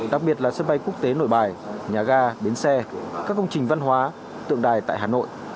đặc biệt là sân bay quốc tế nội bài nhà ga bến xe các công trình văn hóa tượng đài tại hà nội